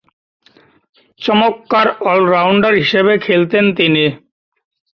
চমৎকার অল-রাউন্ডার হিসেবে খেলতেন তিনি।